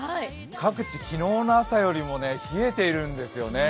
各地、昨日の朝よりも冷えているんですよね。